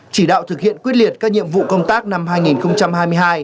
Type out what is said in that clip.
chỉ đạo thực hiện quyết liệt các nhiệm vụ công tác năm hai nghìn hai mươi hai